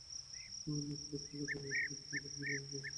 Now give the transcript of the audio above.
নখের ওপর ভেজা কাগজটি কিছুক্ষণ চেপে ধরে রাখলেই ছাপ পড়ে যাবে।